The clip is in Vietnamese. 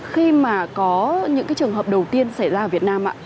khi mà có những cái trường hợp đầu tiên xảy ra ở việt nam ạ